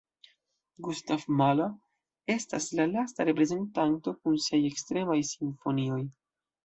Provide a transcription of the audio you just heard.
Gustav Mahler estas la lasta reprezentanto kun siaj ekstremaj simfonioj.